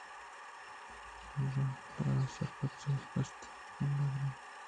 درٛہ اسپُست جوءُ ہُشکیں کڈبّءُ سُہرُوئی تاکءُ کانڈیلانی بابتءَ اِتنت